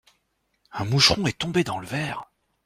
Un moucheron est tombé dans le verre.